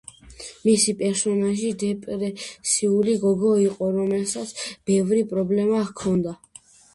მისი პერსონაჟი დეპრესიული გოგო იყო რომელსაც ბევრი პრობლემა ჰქონდა.